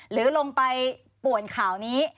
หรือลงไปป่วนข่าวนี้